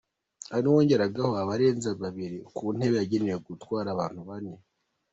Hari n’uwongeragaho abarenze babiri ku ntebe yagenewe gutwara abantu bane.